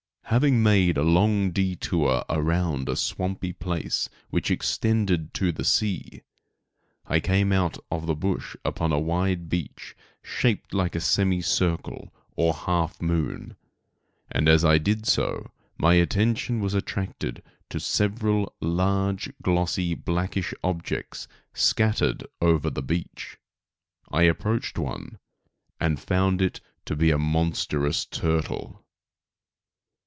Having made a long detour around a swampy place which extended to the sea, I came out of the bush upon a wide beach shaped like a semi circle, or half moon; and as I did so my attention was attracted to several large, glossy, blackish objects scattered over the beach. I approached one, and found it to be a monstrous turtle.